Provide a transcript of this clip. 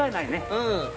うん。